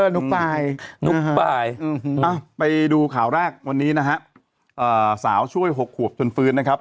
ทุกฝ่ายนุ๊กปายไปดูข่าวแรกวันนี้นะฮะสาวช่วย๖ขวบจนฟื้นนะครับ